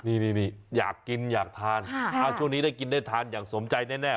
นี่อยากกินอยากทานช่วงนี้ได้กินได้ทานอย่างสมใจแน่